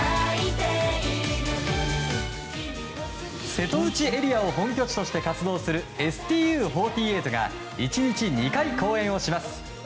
瀬戸内エリアを本拠地として活動するＳＴＵ４８が１日２回公演をします。